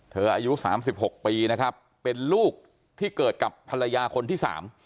เธออายุ๓๖ปีนะครับเป็นลูกที่เกิดกับภรรยาคนที่๓